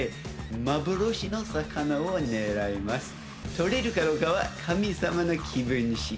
捕れるかどうかは神様の気分次第。